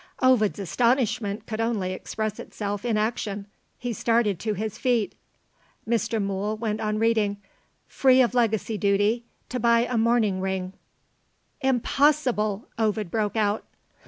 Ovid's astonishment could only express itself in action. He started to his feet. Mr. Mool went on reading. "'Free of legacy duty, to buy a mourning ring "' "Impossible!" Ovid broke out.